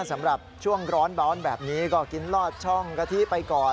สำหรับช่วงร้อนแบบนี้ก็กินลอดช่องกะทิไปก่อน